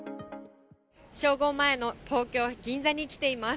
正午前の東京・銀座に来ています。